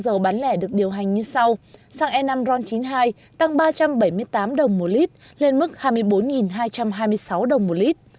giá lẻ được điều hành như sau xăng e năm ron chín mươi hai tăng ba trăm bảy mươi tám đồng một lít lên mức hai mươi bốn hai trăm hai mươi sáu đồng một lít